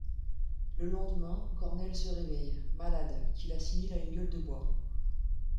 Le lendemain, Cornell se réveille, malade, qu'il assimile à une gueule de bois.